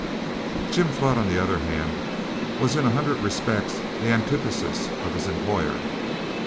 Jim Flood, on the other hand, was in a hundred respects the antithesis of his employer.